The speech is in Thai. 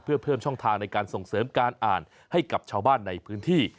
เพื่อเพิ่มช่องทางในการส่งเสริมการอ่านให้กับชาวบ้านในพื้นที่